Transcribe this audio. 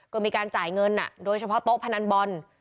ก็มีการจ่ายเงินโดยเฉพาะโต๊ะพนันบอล